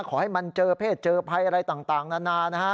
ขอให้มันเจอเพศเจอภัยอะไรต่างนานานะฮะ